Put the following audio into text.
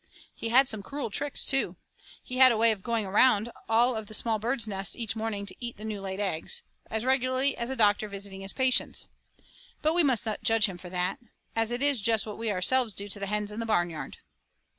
He had some cruel tricks, too. He had a way of going the round of the small birds' nests each morning to eat the new laid eggs, as regularly as a doctor visiting his patients. But we must not judge him for that, as it is just what we ourselves do to the hens in the barnyard.